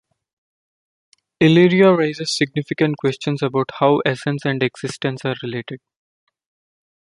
Illyria raises significant questions about how essence and existence are related.